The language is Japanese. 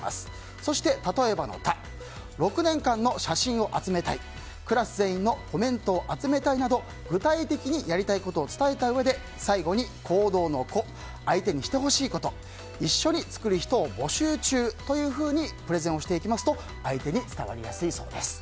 そして、「例えば」の「た」６年間の写真を集めたいクラス全員のコメントを集めたいなど具体的にやりたいことを伝えたうえで最後に「行動」の「こ」相手にしてほしいこと一緒に作る人を募集中というふうにプレゼンをしていきますと相手に伝わりやすいそうです。